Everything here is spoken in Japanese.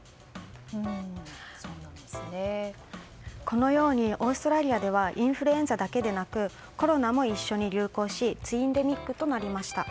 このようにオーストラリアではインフルエンザだけではなくコロナも一緒に流行しツインデミックとなりました。